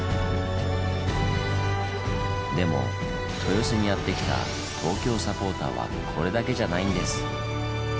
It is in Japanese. でも豊洲にやってきた東京サポーターはこれだけじゃないんです。